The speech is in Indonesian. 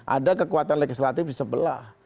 ada kekuatan legislatif di sebelah